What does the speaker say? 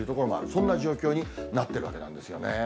そんな状況になってるわけなんですよね。